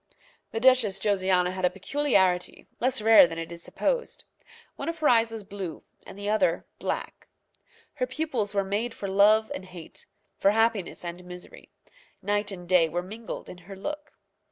The Duchess Josiana had a peculiarity, less rare than it is supposed. One of her eyes was blue and the other black. Her pupils were made for love and hate, for happiness and misery. Night and day were mingled in her look.